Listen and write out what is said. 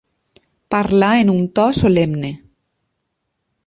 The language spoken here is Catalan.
Parlà en un to solemne.